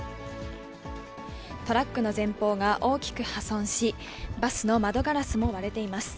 トラックの前方が大きく破損し、バスの窓ガラスも割れています。